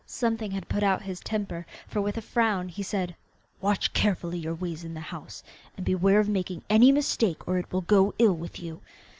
Something had put out his temper, for with a frown he said, 'Watch carefully our ways in the house, and beware of making any mistake, or it will go ill with you.